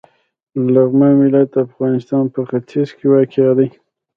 لغمان ولایت د افغانستان په ختیځ کې واقع دی.